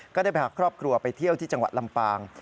ก็ได้พาครอบครัวไปเที่ยวที่จังหวัดลำปาง